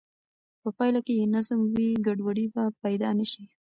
په پایله کې چې نظم وي، ګډوډي به پیدا نه شي.